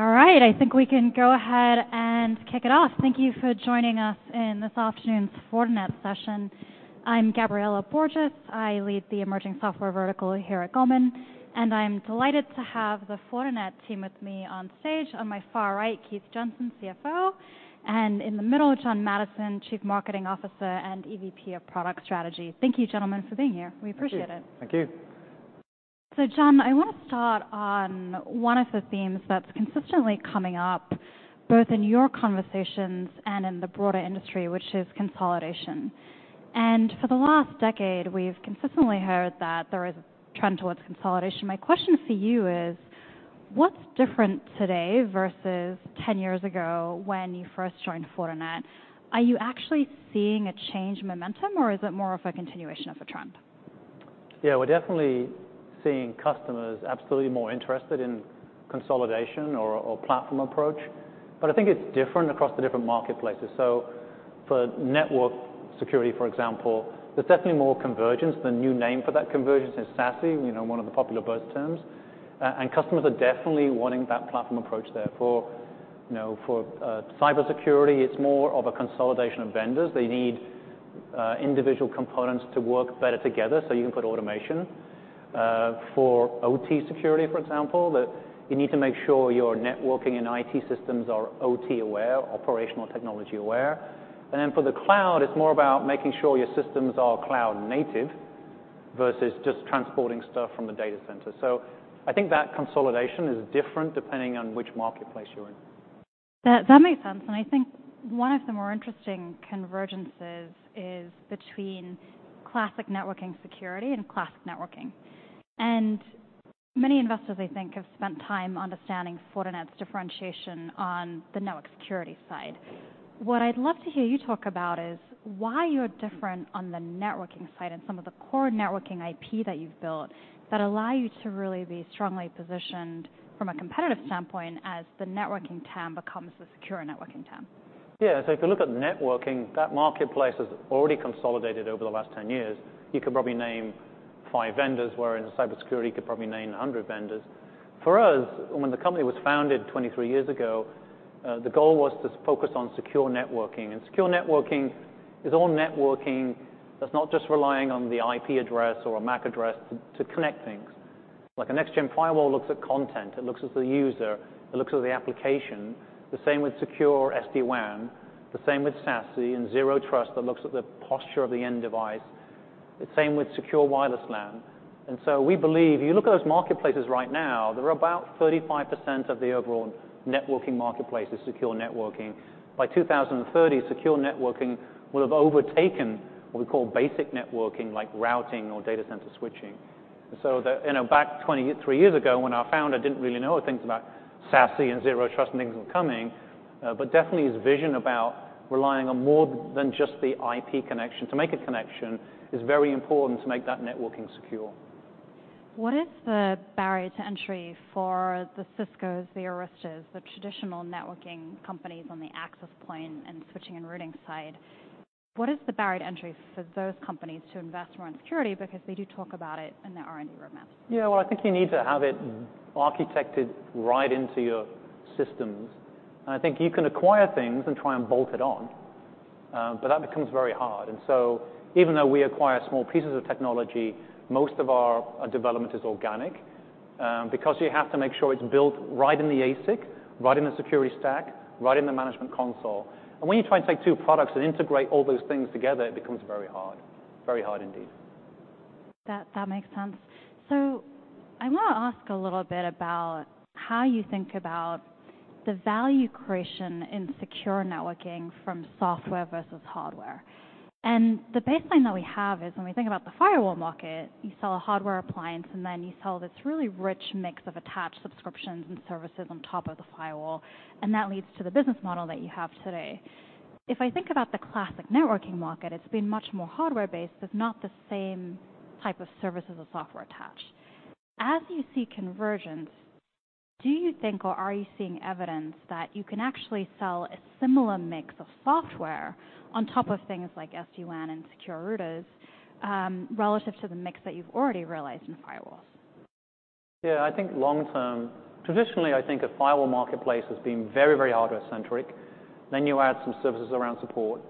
All right, I think we can go ahead and kick it off. Thank you for joining us in this afternoon's Fortinet session. I'm Gabriela Borges. I lead the emerging software vertical here at Goldman, and I'm delighted to have the Fortinet team with me on stage. On my far right, Keith Jensen, CFO, and in the middle, John Maddison, Chief Marketing Officer and EVP of Product Strategy. Thank you, gentlemen, for being here. We appreciate it. Thank you. Thank you. So John, I want to start on one of the themes that's consistently coming up, both in your conversations and in the broader industry, which is consolidation. For the last decade, we've consistently heard that there is a trend towards consolidation. My question for you is, what's different today versus 10 years ago when you first joined Fortinet? Are you actually seeing a change in momentum, or is it more of a continuation of a trend? Yeah, we're definitely seeing customers absolutely more interested in consolidation or a platform approach. But I think it's different across the different marketplaces. So for Network Security, for example, there's definitely more convergence. The new name for that convergence is SASE, you know, one of the popular buzz terms. And customers are definitely wanting that platform approach there. For you know, cybersecurity, it's more of a consolidation of vendors. They need individual components to work better together, so you can put automation. For OT Security, for example, you need to make sure your networking and IT systems are OT-aware, Operational Technology aware. And then for the cloud, it's more about making sure your systems are cloud native versus just transporting stuff from the data center. So I think that consolidation is different depending on which marketplace you're in. That, that makes sense, and I think one of the more interesting convergences is between classic networking security and classic networking. And many investors, I think, have spent time understanding Fortinet's differentiation on the Network Security side. What I'd love to hear you talk about is why you're different on the networking side and some of the core networking IP that you've built that allow you to really be strongly positioned from a competitive standpoint as the networking TAM becomes the secure networking TAM. Yeah, so if you look at networking, that marketplace has already consolidated over the last 10 years. You could probably name five vendors, whereas in cybersecurity, you could probably name 100 vendors. For us, when the company was founded 23 years ago, the goal was to focus on Secure Networking. And Secure Networking is all networking that's not just relying on the IP address or a MAC address to connect things. Like a next-gen firewall looks at content, it looks at the user, it looks at the application. The same with secure SD-WAN, the same with SASE and Zero-Trust that looks at the posture of the end device. The same with secure wireless LAN. And so we believe, you look at those marketplaces right now, there are about 35% of the overall networking marketplace is Secure Networking. By 2030, Secure Networking will have overtaken what we call basic networking, like routing or data center switching. So, you know, back 23 years ago, when our founder didn't really know things about SASE and Zero-Trust and things were coming, but definitely his vision about relying on more than just the IP connection to make a connection is very important to make that networking secure. What is the barrier to entry for the Ciscos, the Aristas, the traditional networking companies on the access plane and switching and routing side? What is the barrier to entry for those companies to invest more in security? Because they do talk about it in their R&D roadmaps. Yeah, well, I think you need to have it architected right into your systems, and I think you can acquire things and try and bolt it on, but that becomes very hard. And so even though we acquire small pieces of technology, most of our development is organic, because you have to make sure it's built right in the ASIC, right in the security stack, right in the management console. And when you try and take two products and integrate all those things together, it becomes very hard. Very hard indeed. That, that makes sense. So I want to ask a little bit about how you think about the value creation in Secure Networking from software versus hardware. And the baseline that we have is when we think about the firewall market, you sell a hardware appliance, and then you sell this really rich mix of attached subscriptions and services on top of the firewall, and that leads to the business model that you have today. If I think about the classic networking market, it's been much more hardware-based, but not the same type of services as a software attached. As you see convergence, do you think or are you seeing evidence that you can actually sell a similar mix of software on top of things like SD-WAN and secure routers, relative to the mix that you've already realized in firewalls? Yeah, I think long term... Traditionally, I think a firewall marketplace has been very, very hardware-centric. Then you add some services around support,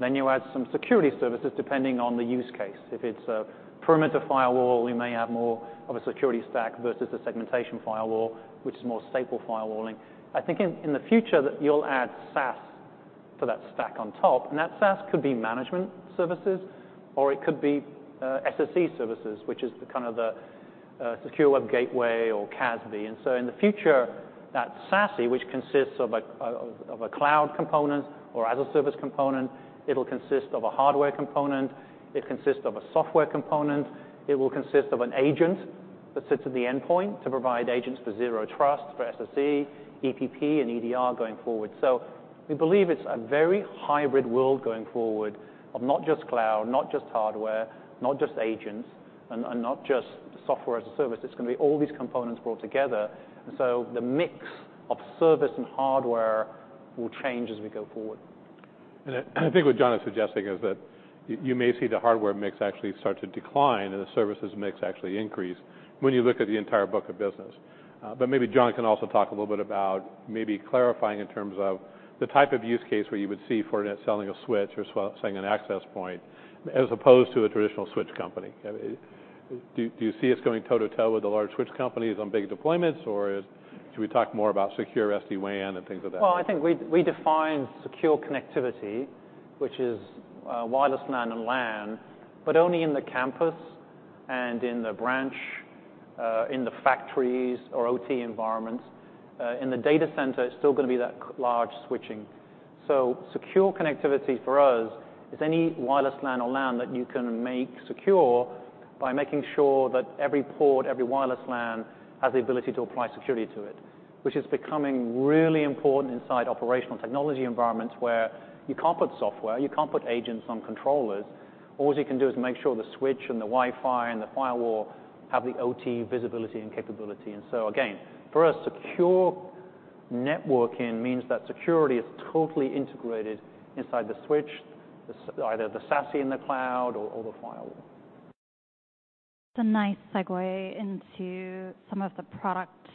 then you add some security services, depending on the use case. If it's a perimeter firewall, we may have more of a security stack versus a segmentation firewall, which is more stateful firewalling. I think in the future, that you'll add SaaS to that stack on top, and that SaaS could be management services, or it could be SSE services, which is the kind of the secure web gateway or CASB. And so in the future, that SASE, which consists of a cloud component or as a service component, it'll consist of a hardware component, it consists of a software component, it will consist of an agent that sits at the endpoint to provide agents for Zero-Trust, for SSE, EPP, and EDR going forward. So we believe it's a very hybrid world going forward of not just cloud, not just hardware, not just agents, and not just software as a service. It's going to be all these components brought together, and so the mix of service and hardware will change as we go forward. ... And I think what John is suggesting is that you may see the hardware mix actually start to decline and the services mix actually increase when you look at the entire book of business. But maybe John can also talk a little bit about maybe clarifying in terms of the type of use case where you would see Fortinet selling a switch or selling an access point as opposed to a traditional switch company. I mean, do you see us going toe-to-toe with the large switch companies on big deployments, or should we talk more about secure SD-WAN and things of that nature? Well, I think we define secure connectivity, which is wireless WAN and LAN, but only in the campus and in the branch, in the factories or OT environments. In the data center, it's still gonna be that large switching. So secure connectivity for us is any wireless LAN or LAN that you can make secure by making sure that every port, every wireless LAN, has the ability to apply security to it, which is becoming really important inside operational technology environments where you can't put software, you can't put agents on controllers. All you can do is make sure the switch and the Wi-Fi and the firewall have the OT visibility and capability. And so again, for us, secure networking means that security is totally integrated inside the switch, either the SASE in the cloud or the firewall. It's a nice segue into some of the product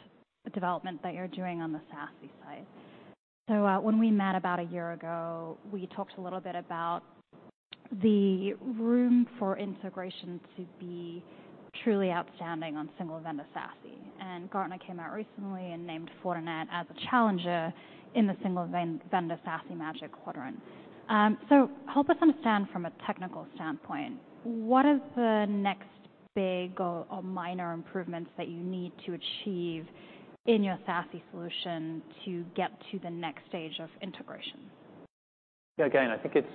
development that you're doing on the SASE side. So, when we met about a year ago, we talked a little bit about the room for integration to be truly outstanding on single-vendor SASE, and Gartner came out recently and named Fortinet as a challenger in the single-vendor SASE Magic Quadrant. So help us understand from a technical standpoint, what is the next big or minor improvements that you need to achieve in your SASE solution to get to the next stage of integration? Again, I think it's.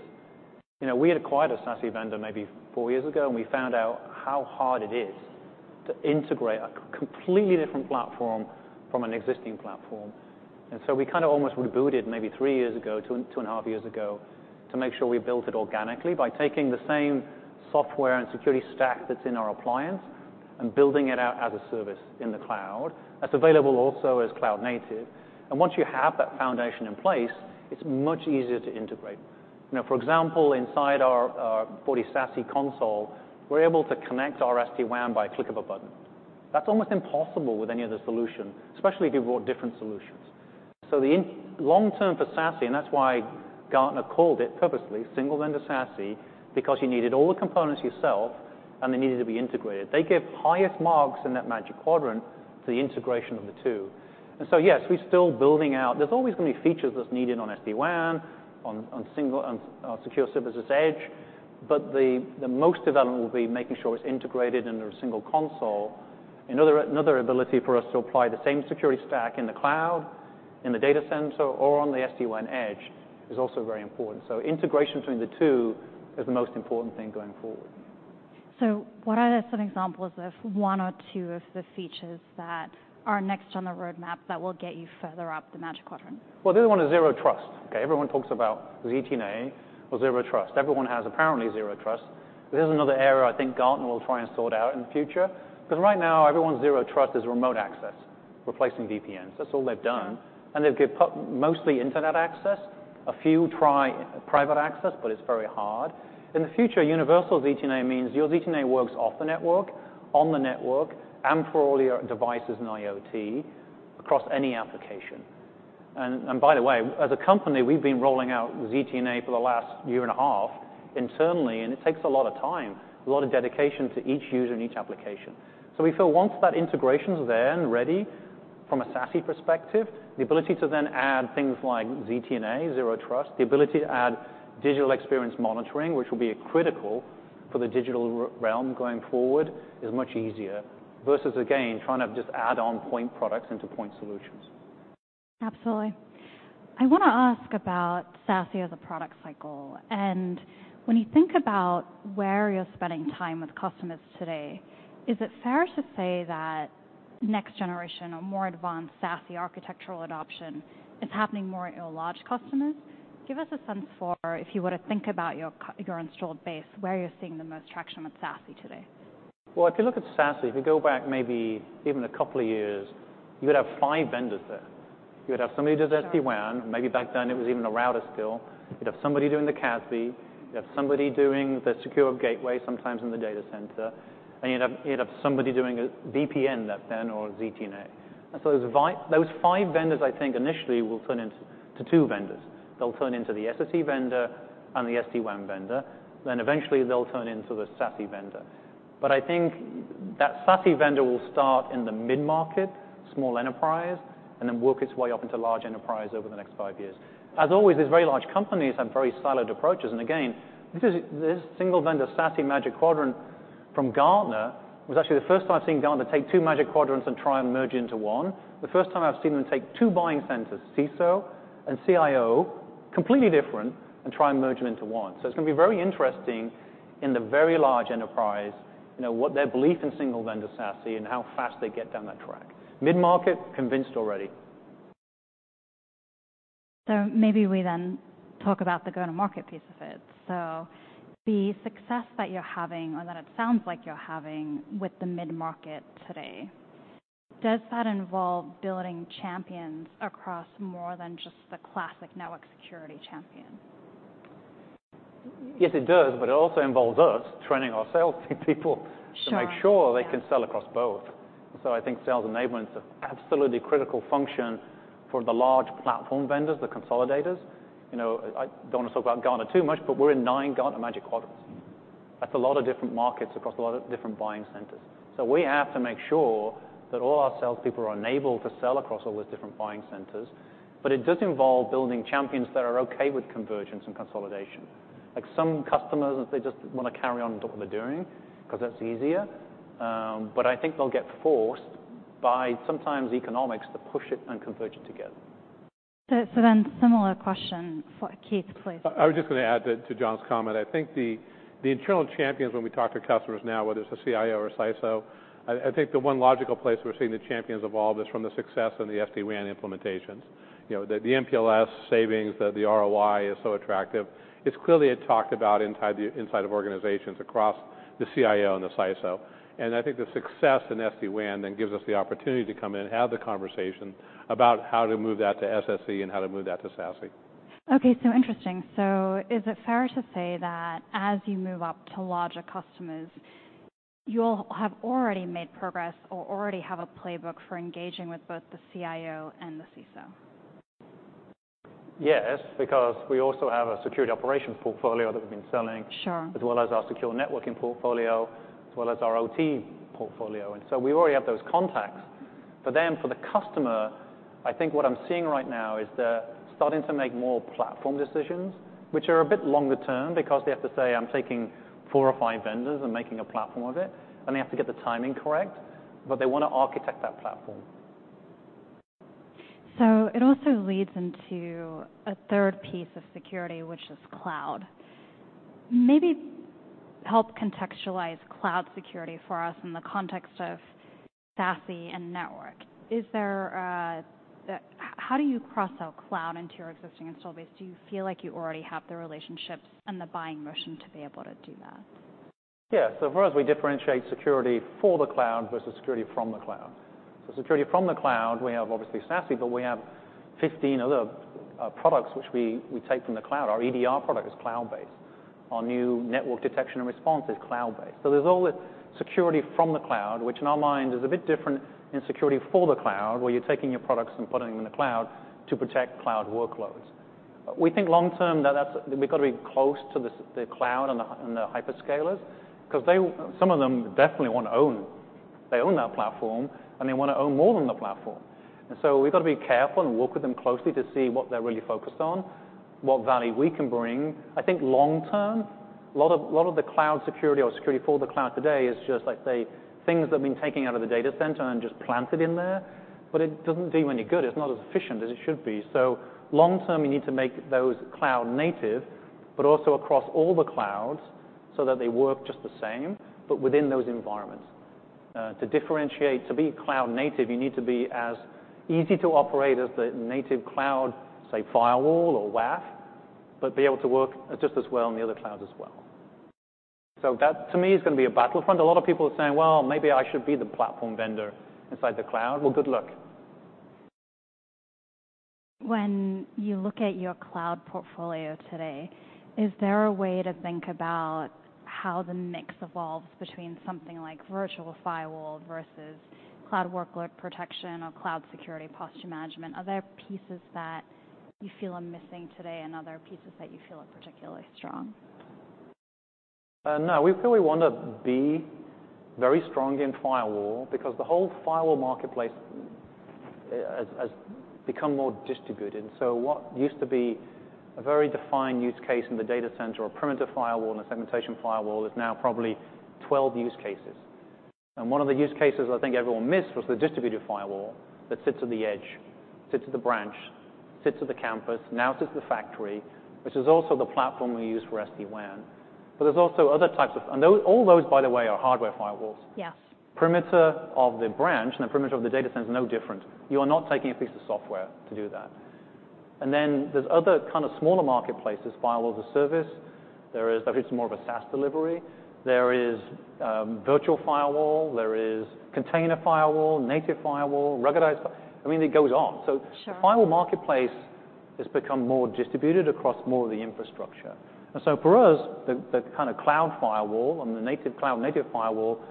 You know, we had acquired a SASE vendor maybe four years ago, and we found out how hard it is to integrate a completely different platform from an existing platform. And so we kind of almost rebooted maybe three years ago, two, 2.5 years ago, to make sure we built it organically by taking the same software and security stack that's in our appliance and building it out as a service in the cloud. That's available also as cloud native. And once you have that foundation in place, it's much easier to integrate. Now, for example, inside our, our FortiSASE console, we're able to connect our SD-WAN by a click of a button. That's almost impossible with any other solution, especially if you've got different solutions. So the long term for SASE, and that's why Gartner called it purposely single-vendor SASE, because you needed all the components yourself, and they needed to be integrated. They give highest marks in that Magic Quadrant for the integration of the two. And so, yes, we're still building out. There's always going to be features that's needed on SD-WAN, on Security Service Edge, but the most development will be making sure it's integrated under a single console. Another ability for us to apply the same security stack in the cloud, in the data center, or on the SD-WAN edge is also very important. So integration between the two is the most important thing going forward. What are some examples of one or two of the features that are next on the roadmap that will get you further up the Magic Quadrant? Well, the other one is Zero-Trust. Okay, everyone talks about ZTNA or Zero-Trust. Everyone has apparently Zero-Trust. This is another area I think Gartner will try and sort out in the future, because right now, everyone's Zero-Trust is remote access, replacing VPNs. That's all they've done. Yeah. They've given mostly internet access. A few try private access, but it's very hard. In the future, universal ZTNA means your ZTNA works off the network, on the network, and for all your devices in IoT across any application. And by the way, as a company, we've been rolling out ZTNA for the last year and a half internally, and it takes a lot of time, a lot of dedication to each user and each application. So we feel once that integration's there and ready from a SASE perspective, the ability to then add things like ZTNA, Zero-Trust, the ability to add digital experience monitoring, which will be critical for the digital realm going forward, is much easier, versus again, trying to just add on point products into point solutions. Absolutely. I want to ask about SASE as a product cycle, and when you think about where you're spending time with customers today, is it fair to say that next generation or more advanced SASE architectural adoption is happening more in your large customers? Give us a sense for if you were to think about your installed base, where you're seeing the most traction with SASE today? Well, if you look at SASE, if you go back maybe even a couple of years, you would have five vendors there. You would have somebody who does- Sure.... SD-WAN, maybe back then it was even a router still. You'd have somebody doing the CASB. You'd have somebody doing the secure gateway, sometimes in the data center. And you'd have, you'd have somebody doing a VPN back then, or ZTNA. And so those five vendors, I think, initially, will turn into two vendors. They'll turn into the SSE vendor and the SD-WAN vendor, then eventually they'll turn into the SASE vendor. But I think that SASE vendor will start in the mid-market, small enterprise, and then work its way up into large enterprise over the next five years. As always, these very large companies have very siloed approaches, and again, this is, this single vendor, SASE Magic Quadrant from Gartner, was actually the first time I've seen Gartner take two Magic Quadrants and try and merge into one. The first time I've seen them take two buying centers, CISO and CIO, completely different, and try and merge them into one. So it's going to be very interesting in the very large enterprise, you know, what their belief in single vendor SASE and how fast they get down that track. Mid-market, convinced already. So maybe we then talk about the go-to-market piece of it. So the success that you're having, or that it sounds like you're having with the mid-market today... Does that involve building champions across more than just the classic network security champion? Yes, it does, but it also involves us training our sales team people- Sure. To make sure they can sell across both. So I think sales enablement is an absolutely critical function for the large platform vendors, the consolidators. You know, I don't want to talk about Gartner too much, but we're in nine Gartner Magic Quadrants. That's a lot of different markets across a lot of different buying centers. So we have to make sure that all our sales people are enabled to sell across all those different buying centers. But it does involve building champions that are okay with convergence and consolidation. Like, some customers, they just want to carry on with what they're doing because that's easier, but I think they'll get forced by sometimes economics to push it and converge it together. So then, similar question for Keith, please. I was just going to add to John's comment. I think the internal champions, when we talk to customers now, whether it's a CIO or CISO, I think the one logical place we're seeing the champions evolve is from the success of the SD-WAN implementations. You know, the MPLS savings, the ROI is so attractive. It's clearly a talk about inside the inside of organizations across the CIO and the CISO. And I think the success in SD-WAN then gives us the opportunity to come in and have the conversation about how to move that to SSE and how to move that to SASE. Okay, so interesting. Is it fair to say that as you move up to larger customers, you'll have already made progress or already have a playbook for engaging with both the CIO and the CISO? Yes, because we also have a security operations portfolio that we've been selling- Sure.... As well as our secure networking portfolio, as well as our OT portfolio, and so we already have those contacts. But then for the customer, I think what I'm seeing right now is they're starting to make more platform decisions, which are a bit longer term because they have to say, "I'm taking four or five vendors and making a platform of it," and they have to get the timing correct, but they want to architect that platform. So it also leads into a third piece of security, which is cloud. Maybe help contextualize cloud security for us in the context of SASE and network. How do you cross-sell cloud into your existing install base? Do you feel like you already have the relationships and the buying motion to be able to do that? Yeah. So for us, we differentiate security for the cloud versus security from the cloud. So security from the cloud, we have obviously SASE, but we have 15 other products which we take from the cloud. Our EDR product is cloud-based. Our new Network Detection and Response is cloud-based. So there's all this security from the cloud, which in our mind is a bit different in security for the cloud, where you're taking your products and putting them in the cloud to protect cloud workloads. We think long term, that that's. We've got to be close to the cloud and the hyperscalers because they, some of them definitely want to own. They own that platform, and they want to own more than the platform. And so we've got to be careful and work with them closely to see what they're really focused on, what value we can bring. I think long term, a lot of, lot of the cloud security or security for the cloud today is just like, say, things that have been taken out of the data center and just planted in there, but it doesn't do you any good. It's not as efficient as it should be. So long term, you need to make those cloud native, but also across all the clouds so that they work just the same, but within those environments. To differentiate, to be cloud native, you need to be as easy to operate as the native cloud, say, firewall or WAF, but be able to work just as well in the other clouds as well. So that, to me, is going to be a battlefront. A lot of people are saying, "Well, maybe I should be the platform vendor inside the cloud." Well, good luck. When you look at your cloud portfolio today, is there a way to think about how the mix evolves between something like Virtual Firewall versus cloud workload protection or Cloud Security Posture Management? Are there pieces that you feel are missing today and other pieces that you feel are particularly strong? No, we really want to be very strong in firewall because the whole firewall marketplace has become more distributed. So what used to be a very defined use case in the data center or Perimeter Firewall and a Segmentation Firewall is now probably 12 use cases. And one of the use cases I think everyone missed was the distributed firewall that sits at the edge, sits at the branch, sits at the campus, now sits at the factory, which is also the platform we use for SD-WAN. But there's also other types of... And those, by the way, are hardware firewalls. Yes. Perimeter of the branch and the perimeter of the data center is no different. You are not taking a piece of software to do that. And then there's other kind of smaller marketplaces, Firewall as a Service. There is that it's more of a SaaS delivery. There is Virtual Firewall. There is Container Firewall, Native Firewall, ruggedized. I mean, it goes on. Sure. Firewall marketplace has become more distributed across more of the infrastructure. For us, the kind of cloud firewall and the native, Cloud-Native Firewall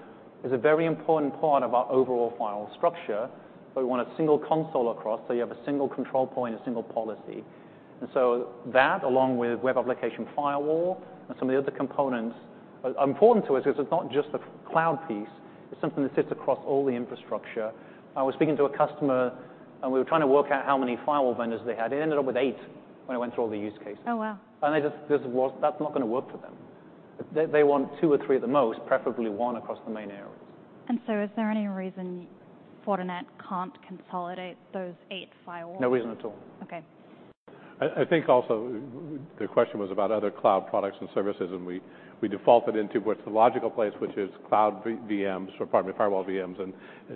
is a very important part of our overall firewall structure, but we want a single console across, so you have a single control point, a single policy. That, along with Web Application Firewall and some of the other components, are important to us because it's not just the cloud piece, it's something that sits across all the infrastructure. I was speaking to a customer, and we were trying to work out how many firewall vendors they had. They ended up with eight when I went through all the use cases. Oh, wow! They just, that's not going to work for them. They want two or three at the most, preferably one across the main areas. Is there any reason Fortinet can't consolidate those eight firewalls? No reason at all. Okay. I think also the question was about other cloud products and services, and we defaulted into what's the logical place, which is cloud VMs, or pardon me, firewall VMs, and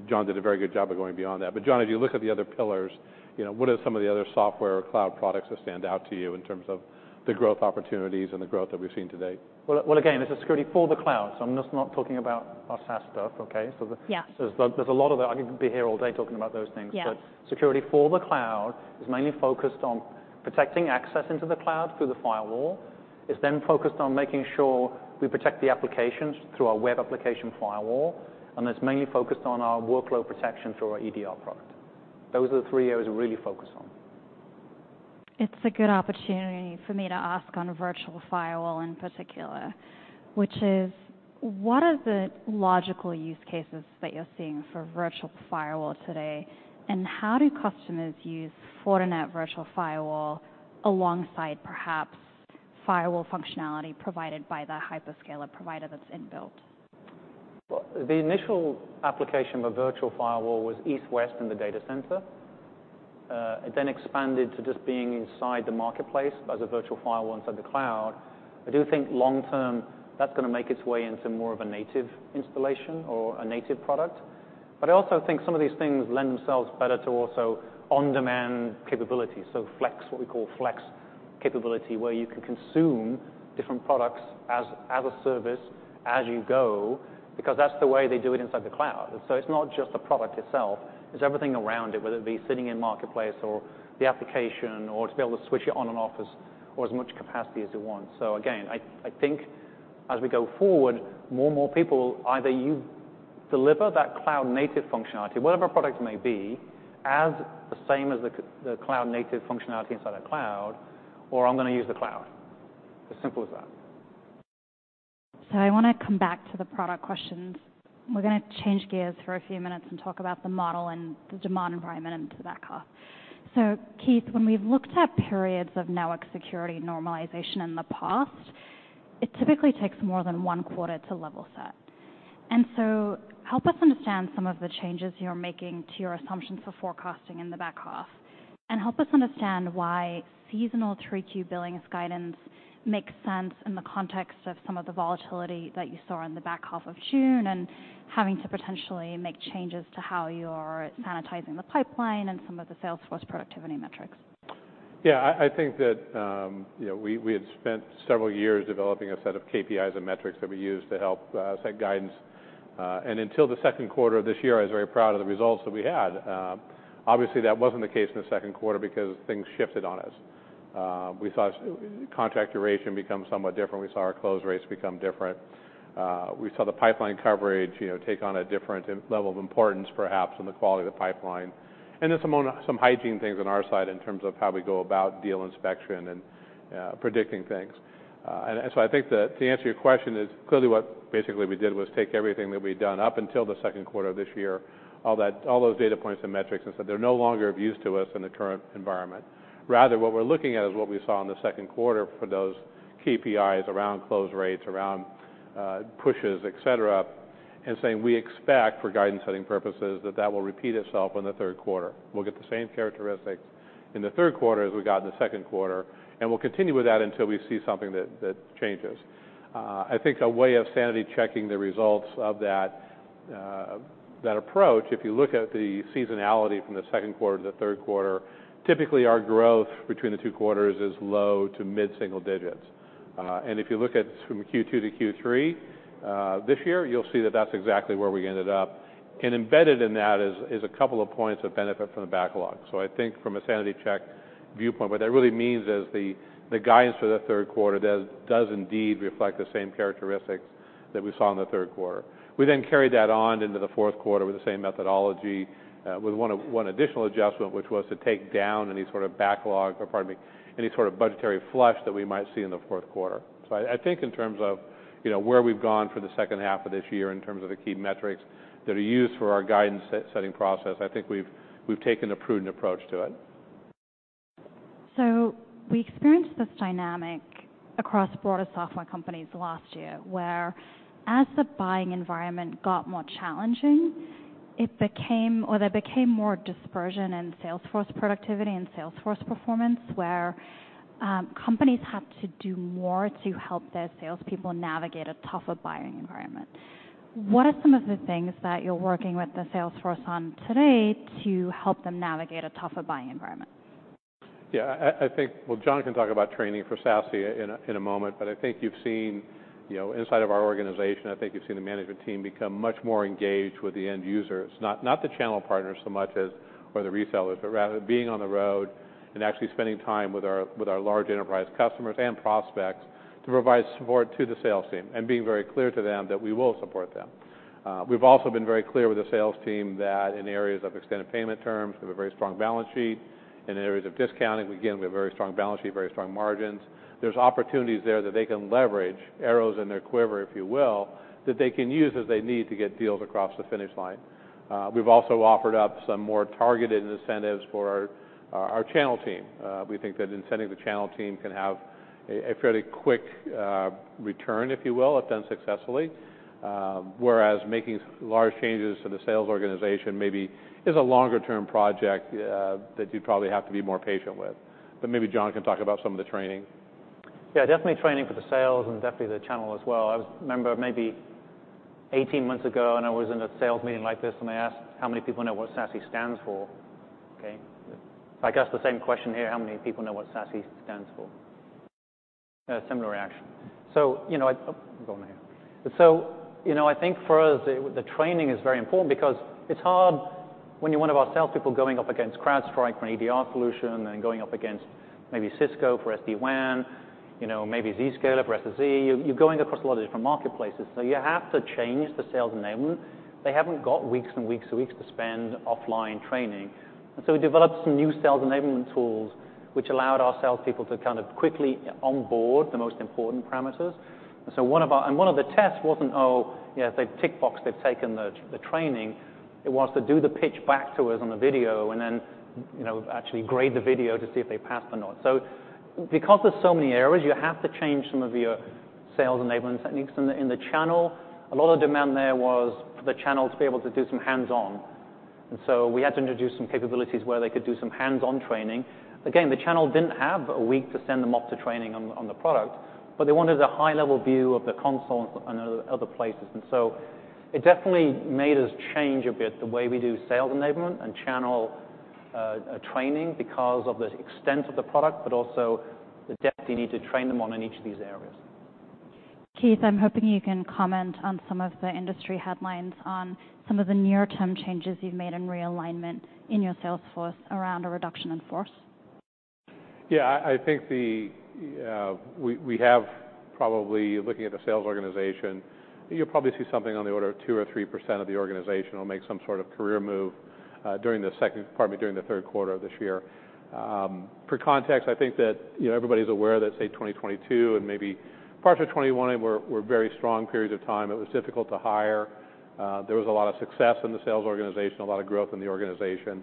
John did a very good job of going beyond that. But, John, as you look at the other pillars, you know, what are some of the other software or cloud products that stand out to you in terms of the growth opportunities and the growth that we've seen to date? Well, well, again, this is security for the cloud, so I'm just not talking about our SaaS stuff, okay? Yeah. There's a lot of that. I could be here all day talking about those things. Yeah. But security for the cloud is mainly focused on protecting access into the cloud through the firewall. It's then focused on making sure we protect the applications through our Web Application Firewall, and it's mainly focused on our Workload Protection through our EDR product. Those are the three O's we're really focused on. It's a good opportunity for me to ask on Virtual Firewall in particular, which is: What are the logical use cases that you're seeing for Virtual Firewall today, and how do customers use Fortinet Virtual Firewall alongside perhaps firewall functionality provided by the hyperscaler provider that's inbuilt? Well, the initial application for Virtual Firewall was east-west in the data center. It then expanded to just being inside the marketplace as a Virtual Firewall inside the cloud. I do think long term, that's gonna make its way into more of a native installation or a native product. But I also think some of these things lend themselves better to also on-demand capabilities. So flex, what we call flex capability, where you can consume different products as a service, as you go, because that's the way they do it inside the cloud. And so it's not just the product itself, it's everything around it, whether it be sitting in marketplace or the application, or to be able to switch it on and off or as much capacity as you want. So again, I think as we go forward, more and more people, either you deliver that Cloud-Native functionality, whatever product may be, as the same as the cloud-native functionality inside a cloud, or I'm gonna use the cloud. As simple as that. So I want to come back to the product questions. We're gonna change gears for a few minutes and talk about the model and the demand environment into the back half. So Keith, when we've looked at periods of network security normalization in the past, it typically takes more than 1 quarter to level set. And so help us understand some of the changes you're making to your assumptions for forecasting in the back half, and help us understand why seasonal Q3 billings guidance makes sense in the context of some of the volatility that you saw in the back half of June, and having to potentially make changes to how you're sanitizing the pipeline and some of the sales force productivity metrics. Yeah, I think that, you know, we had spent several years developing a set of KPIs and metrics that we use to help set guidance. Until the second quarter of this year, I was very proud of the results that we had. Obviously, that wasn't the case in the second quarter because things shifted on us. We saw contract duration become somewhat different. We saw our close rates become different. We saw the pipeline coverage, you know, take on a different level of importance, perhaps, in the quality of the pipeline, and then some hygiene things on our side in terms of how we go about deal inspection and predicting things. And so I think that to answer your question is, clearly, what basically we did was take everything that we'd done up until the second quarter of this year, all those data points and metrics, and said they're no longer of use to us in the current environment. Rather, what we're looking at is what we saw in the second quarter for those KPIs around close rates, around pushes, et cetera, and saying we expect, for guidance-setting purposes, that that will repeat itself in the third quarter. We'll get the same characteristics in the third quarter as we got in the second quarter, and we'll continue with that until we see something that changes. I think a way of sanity checking the results of that, that approach, if you look at the seasonality from the second quarter to the third quarter, typically our growth between the two quarters is low to mid single digits. And if you look at from Q2-Q3, this year, you'll see that that's exactly where we ended up. And embedded in that is, is a couple of points of benefit from the backlog. So I think from a sanity check viewpoint, what that really means is the, the guidance for the third quarter does, does indeed reflect the same characteristics that we saw in the third quarter. We then carried that on into the fourth quarter with the same methodology with one, one additional adjustment, which was to take down any sort of backlog, or pardon me, any sort of budgetary flush that we might see in the fourth quarter. So I think in terms of, you know, where we've gone for the second half of this year in terms of the key metrics that are used for our guidance setting process, I think we've taken a prudent approach to it. So we experienced this dynamic across broader software companies last year, where as the buying environment got more challenging, it became or there became more dispersion in sales force productivity and sales force performance, where, companies had to do more to help their salespeople navigate a tougher buying environment. What are some of the things that you're working with the sales force on today to help them navigate a tougher buying environment? Yeah, I think... Well, John can talk about training for SASE in a moment, but I think you've seen, you know, inside of our organization, I think you've seen the management team become much more engaged with the end users, not the channel partners so much as, or the resellers, but rather being on the road and actually spending time with our large enterprise customers and prospects to provide support to the sales team and being very clear to them that we will support them. We've also been very clear with the sales team that in areas of extended payment terms, we have a very strong balance sheet. In areas of discounting, we again have a very strong balance sheet, very strong margins. There's opportunities there that they can leverage, arrows in their quiver, if you will, that they can use as they need to get deals across the finish line. We've also offered up some more targeted incentives for our channel team. We think that incenting the channel team can have a fairly quick return, if you will, if done successfully. Whereas making large changes to the sales organization maybe is a longer-term project that you'd probably have to be more patient with. But maybe John can talk about some of the training. Yeah, definitely training for the sales and definitely the channel as well. Remember maybe 18 months ago, and I was in a sales meeting like this, and I asked how many people know what SASE stands for, okay? If I ask the same question here, how many people know what SASE stands for? A similar reaction. So, you know, I think for us, the training is very important because it's hard when you're one of our sales people going up against CrowdStrike for an EDR solution and going up against maybe Cisco for SD-WAN, you know, maybe Zscaler for SSE. You're going across a lot of different marketplaces, so you have to change the sales enablement. They haven't got weeks and weeks and weeks to spend offline training. We developed some new sales enablement tools, which allowed our sales people to kind of quickly onboard the most important parameters. So one of our- and one of the tests wasn't, oh, yeah, it's a tick box, they've taken the training. It was to do the pitch back to us on a video and then, you know, actually grade the video to see if they passed or not. So because there's so many areas, you have to change some of your sales enablement techniques. In the channel, a lot of demand there was for the channel to be able to do some hands-on, and so we had to introduce some capabilities where they could do some hands-on training. Again, the channel didn't have a week to send them off to training on the product, but they wanted a high-level view of the console and other places. And so it definitely made us change a bit the way we do sales enablement and channel training because of the extent of the product, but also the depth you need to train them on in each of these areas. Keith, I'm hoping you can comment on some of the industry headlines on some of the near-term changes you've made in realignment in your sales force around a reduction in force? Yeah, I think the... We have probably, looking at the sales organization, you'll probably see something on the order of 2% or 3% of the organization will make some sort of career move during the second, pardon me, during the third quarter of this year. For context, I think that, you know, everybody's aware that, say, 2022 and maybe parts of 2021 were very strong periods of time. It was difficult to hire. There was a lot of success in the sales organization, a lot of growth in the organization.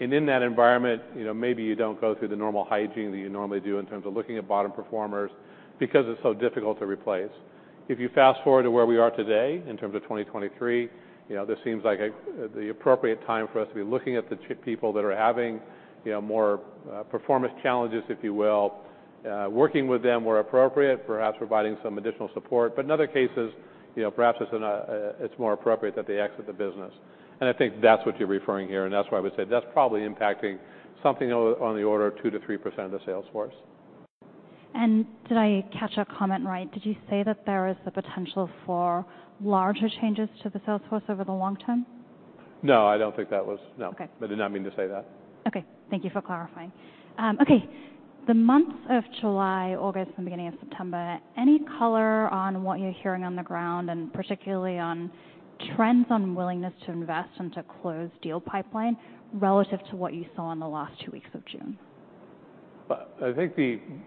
And in that environment, you know, maybe you don't go through the normal hygiene that you normally do in terms of looking at bottom performers because it's so difficult to replace. If you fast-forward to where we are today, in terms of 2023, you know, this seems like a the appropriate time for us to be looking at the people that are having, you know, more performance challenges, if you will, working with them where appropriate, perhaps providing some additional support. But in other cases, you know, perhaps it's an it's more appropriate that they exit the business. And I think that's what you're referring here, and that's why I would say that's probably impacting something on the order of 2%-3% of the sales force. Did I catch a comment right? Did you say that there is the potential for larger changes to the sales force over the long term? No, I don't think that was... No. Okay. I did not mean to say that. Okay, thank you for clarifying. Okay. The months of July, August, and beginning of September, any color on what you're hearing on the ground, and particularly on trends on willingness to invest and to close deal pipeline relative to what you saw in the last two weeks of June? I think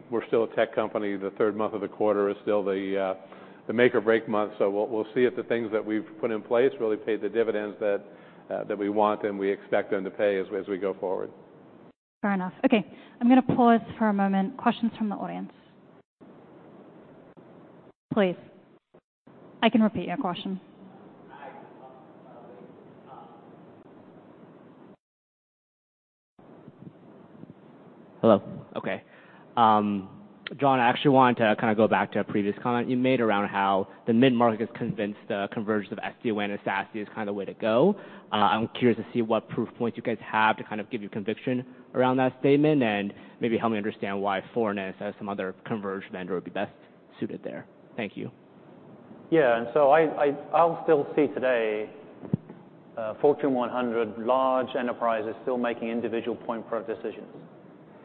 we're still a tech company. The third month of the quarter is still the make or break month. So we'll see if the things that we've put in place really pay the dividends that we want and we expect them to pay as we go forward. Fair enough. Okay, I'm going to pause for a moment. Questions from the audience. Please, I can repeat your question. John, I actually wanted to kinda go back to a previous comment you made around how the mid-market is convinced the convergence of SD-WAN and SASE is kind of the way to go. I'm curious to see what proof points you guys have to kind of give you conviction around that statement, and maybe help me understand why Fortinet as some other converged vendor would be best suited there. Thank you. Yeah, and so I’ll still see today Fortune 100 large enterprises still making individual point product decisions.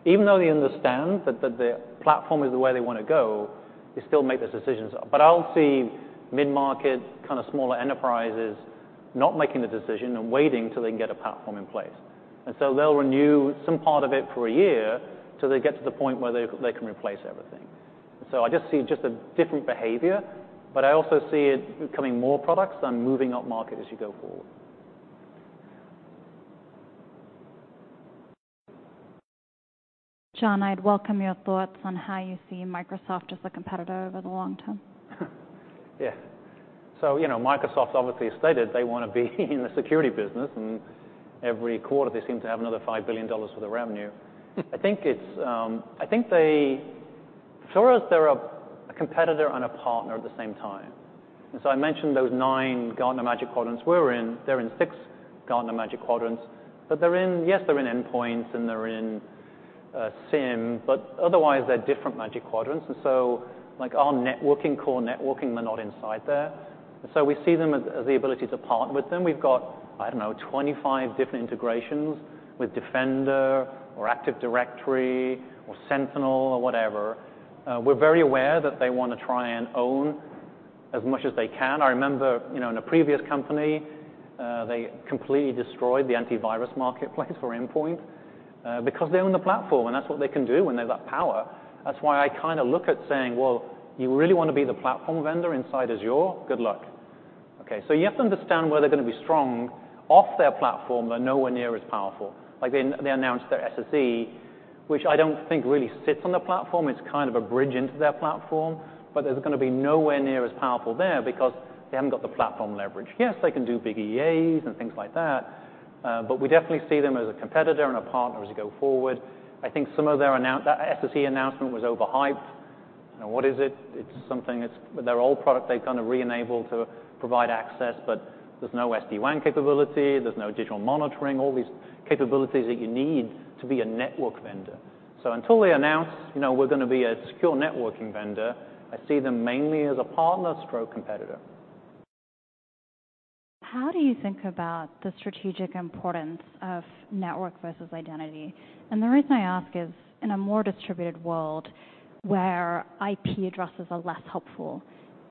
Even though they understand that the platform is the way they want to go, they still make those decisions. But I’ll see mid-market, kind of smaller enterprises not making the decision and waiting till they can get a platform in place. And so they’ll renew some part of it for a year till they get to the point where they can replace everything. So I just see just a different behavior, but I also see it becoming more products and moving upmarket as you go forward. John, I'd welcome your thoughts on how you see Microsoft as a competitor over the long term. Yeah. So, you know, Microsoft obviously has stated they want to be in the security business, and every quarter, they seem to have another $5 billion worth of revenue. I think it's, I think they, for us, they're a, a competitor and a partner at the same time. And so I mentioned those nine Gartner Magic Quadrants we're in. They're in six Gartner Magic Quadrants, but they're in... Yes, they're in endpoint, and they're in, SIEM, but otherwise, they're different Magic Quadrants. And so, like our networking, core networking, they're not inside there. So we see them as, as the ability to partner with them. We've got, I don't know, 25 different integrations with Defender or Active Directory or Sentinel or whatever. We're very aware that they want to try and own as much as they can. I remember, you know, in a previous company, they completely destroyed the antivirus marketplace for endpoint, because they own the platform, and that's what they can do when they've got power. That's why I kind of look at saying: Well, you really want to be the platform vendor inside Azure? Good luck. Okay, so you have to understand where they're going to be strong off their platform, but nowhere near as powerful. Like they, they announced their SSE, which I don't think really sits on the platform. It's kind of a bridge into their platform, but there's going to be nowhere near as powerful there because they haven't got the platform leverage. Yes, they can do big EAs and things like that, but we definitely see them as a competitor and a partner as you go forward. I think some of their announcements—that SSE announcement was overhyped. And what is it? It's something, it's their old product they've kind of reenabled to provide access, but there's no SD-WAN capability, there's no digital monitoring, all these capabilities that you need to be a network vendor. So until they announce, you know, we're gonna be a secure networking vendor, I see them mainly as a partner/competitor. How do you think about the strategic importance of network versus identity? And the reason I ask is, in a more distributed world where IP addresses are less helpful,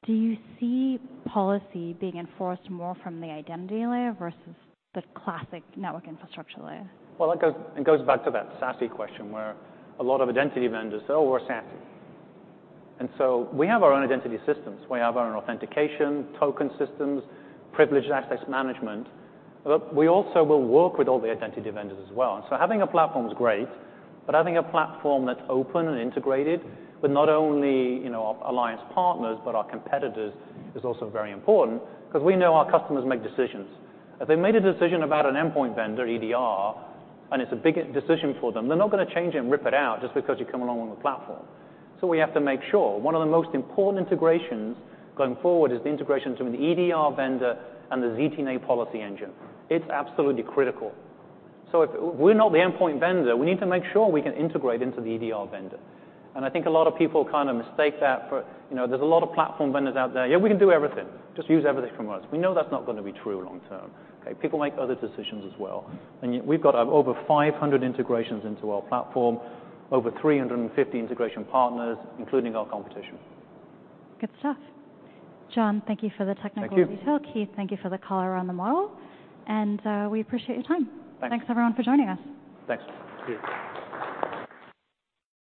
do you see policy being enforced more from the identity layer versus the classic network infrastructure layer? Well, it goes, it goes back to that SASE question, where a lot of identity vendors say, "Oh, we're SASE." And so we have our own identity systems. We have our own authentication, token systems, privileged access management, but we also will work with all the identity vendors as well. And so having a platform is great, but having a platform that's open and integrated with not only, you know, our alliance partners, but our competitors, is also very important because we know our customers make decisions. If they made a decision about an endpoint vendor, EDR, and it's a big decision for them, they're not going to change it and rip it out just because you come along on the platform. So we have to make sure. One of the most important integrations going forward is the integration between the EDR vendor and the ZTNA policy engine. It's absolutely critical. So if we're not the endpoint vendor, we need to make sure we can integrate into the EDR vendor. And I think a lot of people kind of mistake that for... You know, there's a lot of platform vendors out there, "Yeah, we can do everything. Just use everything from us." We know that's not going to be true long term, okay? People make other decisions as well. And yet we've got over 500 integrations into our platform, over 350 integration partners, including our competition. Good stuff. John, thank you for the technical detail. Thank you. Keith, thank you for the color on the model, and we appreciate your time. Thanks. Thanks, everyone, for joining us. Thanks. See you.